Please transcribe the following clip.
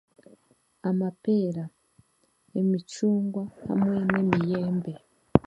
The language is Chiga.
Amapeera emicungwa hamwe n'emiyembe